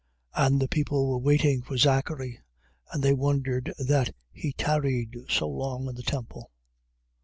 1:21. And the people were waiting for Zachary: and they wondered that he tarried so long in the temple.